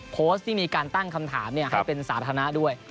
โพสต์ที่มีการตั้งคำถามให้เป็นสาธารณะด้วย